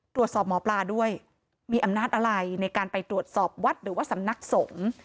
หมอปลาด้วยมีอำนาจอะไรในการไปตรวจสอบวัดหรือว่าสำนักสงฆ์